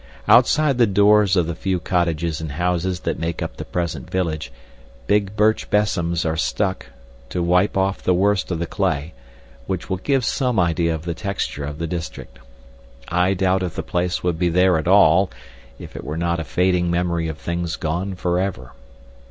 Outside the doors of the few cottages and houses that make up the present village big birch besoms are stuck, to wipe off the worst of the clay, which will give some idea of the texture of the district. I doubt if the place would be there at all, if it were not a fading memory of things gone for ever.